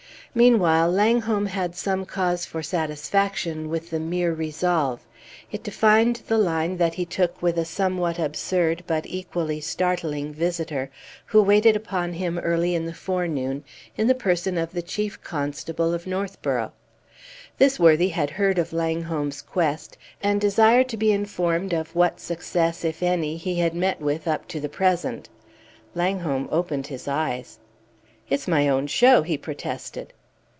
Meanwhile Langholm had some cause for satisfaction with the mere resolve; it defined the line that he took with a somewhat absurd but equally startling visitor, who waited upon him early in the forenoon, in the person of the Chief Constable of Northborough. This worthy had heard of Langholm's quest, and desired to be informed of what success, if any, he had met with up to the present. Langholm opened his eyes. "It's my own show," he protested.